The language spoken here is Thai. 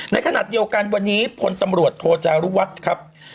ในขณะเดียวกันวันนี้พลตำรวจโทจารุวัฒน์ครับ